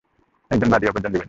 একজন বাদী অপরজন বিবাদী।